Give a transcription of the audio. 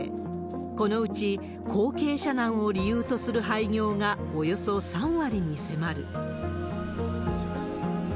このうち、後継者難を理由とする廃業がおよそ３割に迫る。